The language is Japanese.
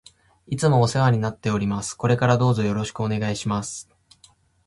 いつもお世話になっております。これからどうぞよろしくお願いします。